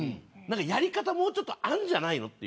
やり方、もうちょっとあるんじゃないのと。